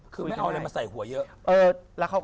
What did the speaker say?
คือไม่เอาอะไรมาใส่หัวเยอะ